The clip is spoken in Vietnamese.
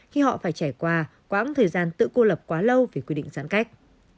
khi họ phải trải qua quãng thời gian tự cô lập quá lâu về quy định giãn cách